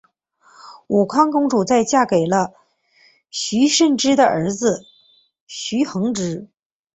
武康公主在嫁给了徐湛之的儿子徐恒之。